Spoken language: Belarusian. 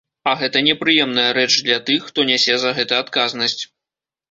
А гэта непрыемная рэч для тых, хто нясе за гэта адказнасць.